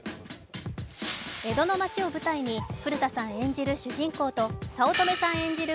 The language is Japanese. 江戸の町を舞台に、古田さん演じる主人公と、早乙女さん演じる